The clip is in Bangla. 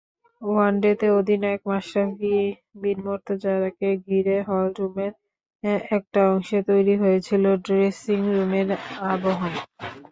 ওয়ানডে অধিনায়ক মাশরাফি বিন মুর্তজাকে ঘিরে হলরুমের একটা অংশে তৈরি হয়েছিল ড্রেসিংরুমের আবহ।